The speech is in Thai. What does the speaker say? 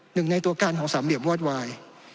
หนึ่งในตัวการของสามเหลี่ยมวอดวาย